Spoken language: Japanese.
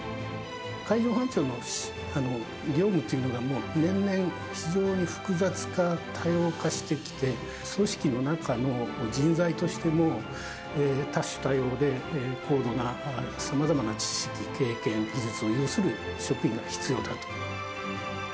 海上保安庁の業務というのが、もう年々、非常に複雑化、多様化してきて、組織の中の人材としても多種多様で、高度なさまざまな知識、経験、技術を有する職員が必要だと。